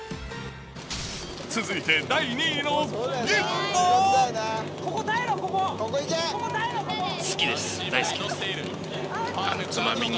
続いて第２位の銀は。